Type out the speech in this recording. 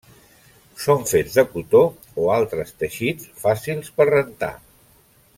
Són fets de cotó o altres teixits fàcils per rentar.